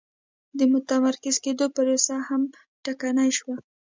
د متمرکز کېدو پروسه هم ټکنۍ شوه.